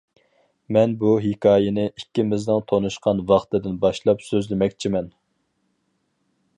مەن بۇ ھېكايىنى ئىككىمىزنىڭ تونۇشقان ۋاقتىدىن باشلاپ سۆزلىمەكچىمەن.